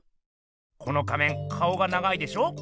この仮面顔が長いでしょ？